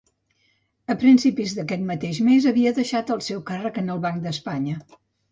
A principis d'aquest mateix mes havia deixat el seu càrrec en el Banc d'Espanya.